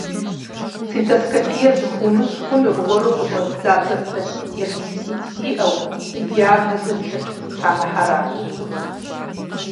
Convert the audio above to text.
Цистоскопие зыхуумыщӏ хъунур уэру къыщӏэзыдза простатит е цистит зиӏэу, зи диагнозым шэч къызытрамыхьэращ.